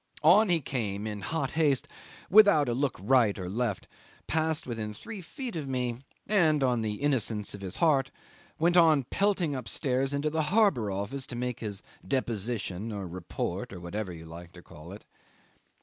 On he came in hot haste, without a look right or left, passed within three feet of me, and in the innocence of his heart went on pelting upstairs into the harbour office to make his deposition, or report, or whatever you like to call it.